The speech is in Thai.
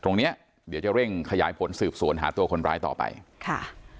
ตรงเนี้ยเดี๋ยวจะเร่งขยายผลสืบสวนหาตัวคนร้ายต่อไปค่ะ